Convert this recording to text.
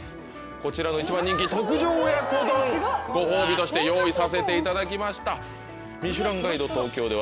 こちらの一番人気特上親子丼ご褒美として用意させていただきました。